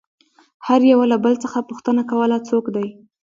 هر يوه له بل څخه پوښتنه كوله څوك دى؟